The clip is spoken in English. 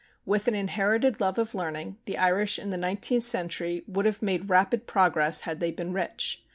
With an inherited love of learning, the Irish in the nineteenth century would have made rapid progress had they been rich.